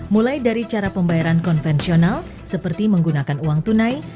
mulai dari cara pembayaran konvensional seperti menggunakan uang tunai